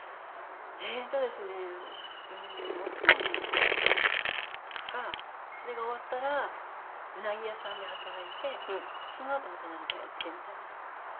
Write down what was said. えっとですねお掃除とかそれが終わったらうなぎ屋さんで働いてそのあとまた何かやってみたいな。